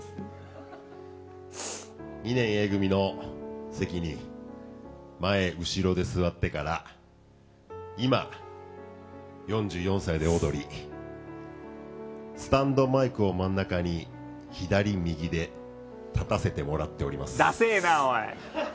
２年Ａ組の席に前後ろで座ってから今、４４歳でオードリースタンドマイクを真ん中に左、右でだせえな、おい！